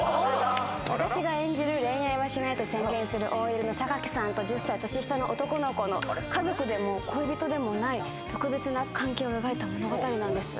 私が演じる恋愛はしないと宣言するＯＬの榊さんと１０歳年下の男の子の家族でも恋人でもない特別な関係を描いた物語なんです